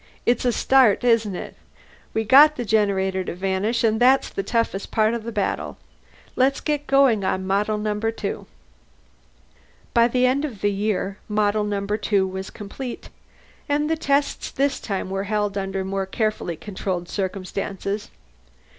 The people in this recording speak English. "It's a start, isn't it? We got the generator to vanish, and that's the toughest part of the battle. Let's get going on Model Number Two." By the end of the year, Model Number Two was complete, and the tests this time were held under more carefully controlled circumstances.